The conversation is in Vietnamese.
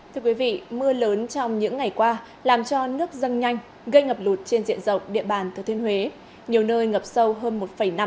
thưa quý vị mưa lớn trong những ngày qua làm cho nước dâng nhanh gây ngập lụt trên diện rộng địa bàn thừa thiên huế nhiều nơi ngập sâu hơn một năm m